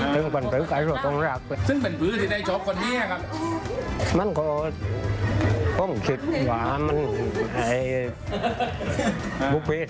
ด้วยบุภิสันนิวัฒน์ของใบตำลึง